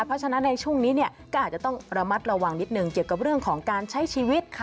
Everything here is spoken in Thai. เพราะฉะนั้นในช่วงนี้ก็อาจจะต้องระมัดระวังนิดนึงเกี่ยวกับเรื่องของการใช้ชีวิต